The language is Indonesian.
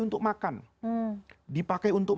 untuk makan dipakai untuk